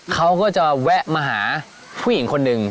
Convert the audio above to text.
เขาก็จะแวะมาหาผู้หญิงคนหนึ่ง